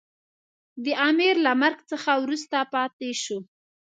د امیر له مرګ څخه وروسته پاته شو.